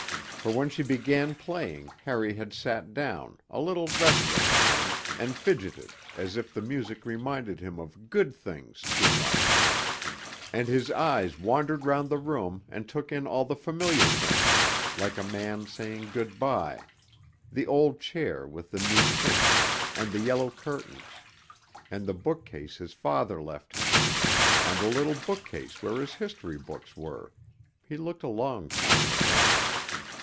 For when she began playing Harry had sat down, a little restless again, and fidgeted, as if the music reminded him of good things too much ... and his eyes wandered round the room and took in all the familiar things, like a man saying good bye the old chair with the new chintz, and the yellow curtains, and the bookcase his father left him and the little bookcase where his history books were (he looked a long time at them)